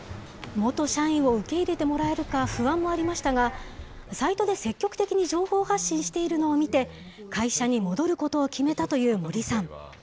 元社員を受け入れてもらえるか不安もありましたが、サイトで積極的に情報発信しているのを見て、会社に戻ることを決めたという森さん。